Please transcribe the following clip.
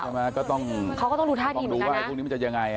เขาก็ต้องดูท่าถิ่นเหมือนกันนะ